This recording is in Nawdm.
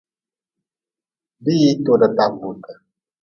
Biihi toda taa gbub.